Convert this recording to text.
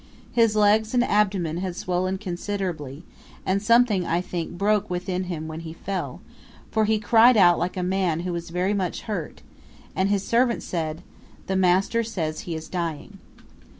His legs and abdomen had swollen considerably, and something, I think, broke within him when he fell, for he cried out like a man who was very much hurt, and his servant said, 'The master says he is dying.'